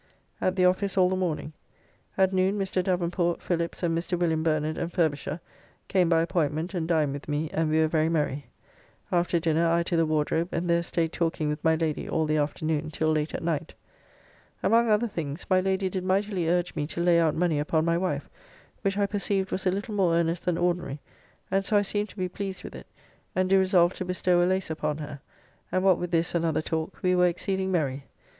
At the office all the morning. At noon Mr. Davenport, Phillips, and Mr. Wm. Bernard and Furbisher, came by appointment and dined with me, and we were very merry. After dinner I to the Wardrobe, and there staid talking with my Lady all the afternoon till late at night. Among other things my Lady did mightily urge me to lay out money upon my wife, which I perceived was a little more earnest than ordinary, and so I seemed to be pleased with it, and do resolve to bestow a lace upon her, and what with this and other talk, we were exceeding merry.